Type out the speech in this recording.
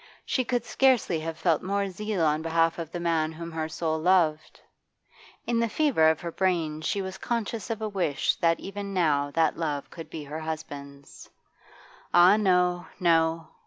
She could scarcely have felt more zeal on behalf of the man whom her soul loved. In the fever of her brain she was conscious of a wish that even now that love could be her husband's. Ah no, no!